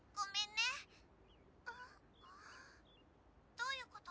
「どういうこと？